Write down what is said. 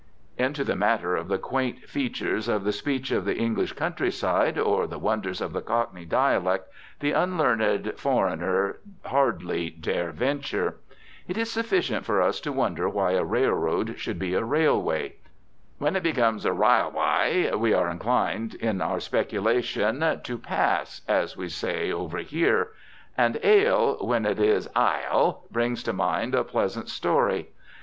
Into the matter of the quaint features of the speech of the English countryside, or the wonders of the Cockney dialect, the unlearned foreigner hardly dare venture. It is sufficient for us to wonder why a railroad should be a railway. When it becomes a "rilewie" we are inclined, in our speculation, "to pass," as we say over here. And ale, when it is "ile," brings to mind a pleasant story.